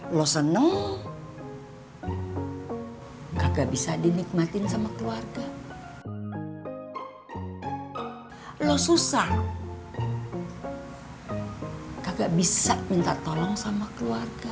hai lo seneng kagak bisa dinikmatin sama keluarga lo susah kagak bisa minta tolong sama keluarga